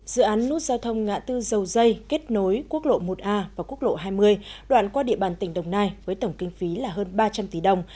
dự án nút giao thông ngã tư dầu dây kết nối quốc lộ một a và quốc lộ hai mươi đoạn qua địa bàn tỉnh đồng nai với tổng kinh phí là hơn ba trăm linh tỷ đồng